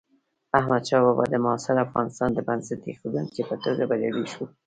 احمدشاه بابا د معاصر افغانستان د بنسټ ایښودونکي په توګه بریالی شو.